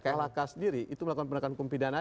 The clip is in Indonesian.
klhk sendiri itu melakukan penegakan hukum pidana